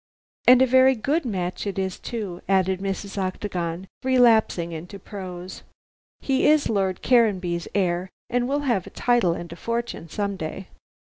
And a very good match it is too," added Mrs. Octagon, relapsing into prose. "He is Lord Caranby's heir, and will have a title and a fortune some day.